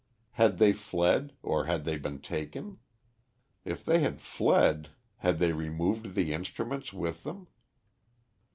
Had they fled, or had they been taken? If they had fled, had they removed the instruments with them?